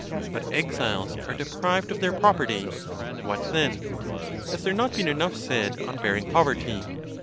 But exiles are deprived of their property! What, then! has there not been enough said on bearing poverty?